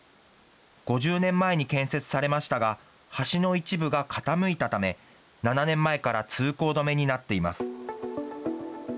５０年前に建設されましたが、橋の一部が傾いたため、７年前から通行止めになっています。